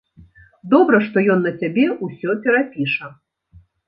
Добра што ён на цябе ўсё перапіша.